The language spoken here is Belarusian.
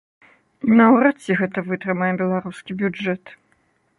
І наўрад ці гэта вытрымае беларускі бюджэт.